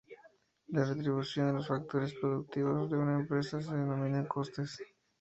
La retribución de los factores productivos de una empresa se denominan costes.